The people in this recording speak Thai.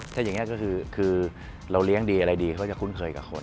ถ้าอย่างนี้ก็คือเราเลี้ยงดีอะไรดีเขาจะคุ้นเคยกับคน